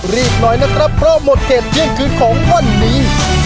รีบหน่อยนะครับเพราะหมดเขตเที่ยงคืนของวันนี้